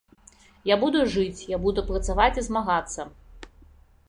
Я буду жыць, я буду працаваць і змагацца!